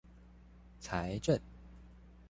財政